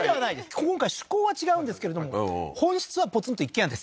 今回趣向は違うんですけれども本質はポツンと一軒家です